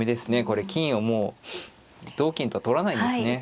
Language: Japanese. これ金をもう同金と取らないんですね。